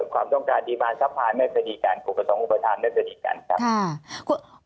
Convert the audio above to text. ความต้องการดีมารทรัพย์ไม่เกิดดีกันประสงค์อุปธรรมไม่เกิดดีกันครับ